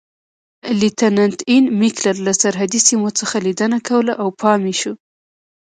لیتننت اېن میکلر له سرحدي سیمو څخه لیدنه کوله او پام یې شو.